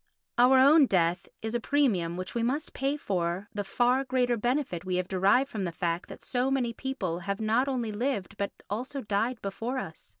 Our own death is a premium which we must pay for the far greater benefit we have derived from the fact that so many people have not only lived but also died before us.